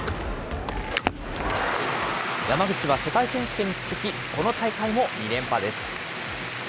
山口は世界選手権に続き、この大会も２連覇です。